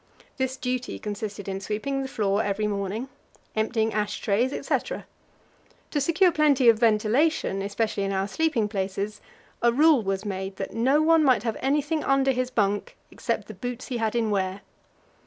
This duty consisted in sweeping the floor every morning, emptying ash trays, etc. To secure plenty of ventilation especially in our sleeping places a rule was made that no one might have anything under his bunk except the boots he had in wear.